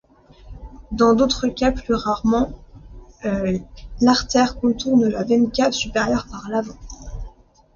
Dans d'autres cas, plus rarement, l'artère contourne la veine cave supérieure par l'avant.